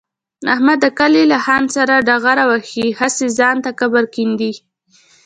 احمد د کلي له خان سره ډغره وهي، هسې ځان ته قبر کني.